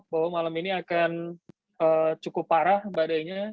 bahwa malam ini akan cukup parah badainya